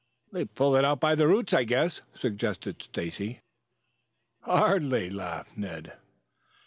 "They pull it out by the roots, I guess," suggested Stacy. "Hardly," laughed Ned.